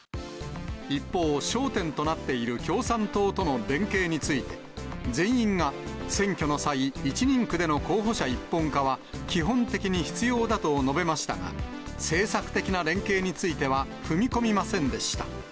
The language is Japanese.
一方、焦点となっている共産党との連携について、全員が選挙の際、１人区での候補者一本化は、基本的に必要だと述べましたが、政策的な連携については踏み込みませんでした。